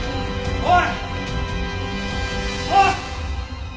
おい！